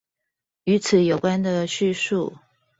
與此有關的敘述